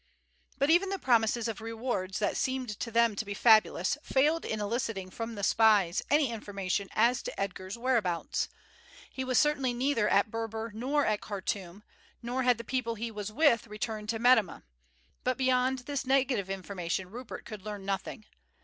But even the promises of rewards that seemed to them to be fabulous failed in eliciting from the spies any information as to Edgar's whereabouts. He certainly was neither at Berber nor at Khartoum, nor had the people he was with returned to Metemmeh; but beyond this negative information Rupert could learn nothing.